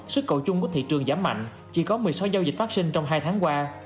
sức cầu chung của thị trường giảm mạnh chỉ có một mươi sáu giao dịch phát sinh trong hai tháng qua